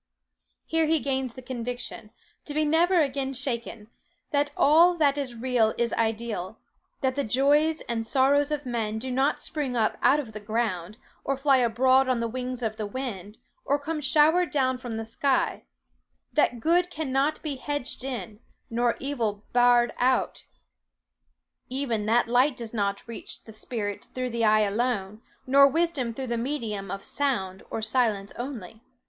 Here he gains the conviction, to be never again shaken, that all that is real is ideal; that the joys and sorrows of men do not spring up out of the ground, or fly abroad on the wings of the wind, or come showered down from the sky; that good cannot be hedged in, nor evil barred out; even that light does not reach the spirit through the eye alone, nor wisdom through the medium of sound or silence only.